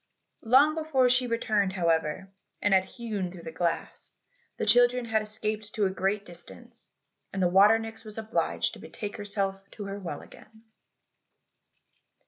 Long before she returned, however, and had hewn through the glass, the children had escaped to a great distance, and the water nix was obliged to betake herself to her well again.